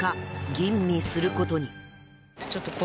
吟味することに。